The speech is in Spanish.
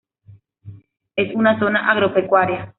Es una zona agropecuaria.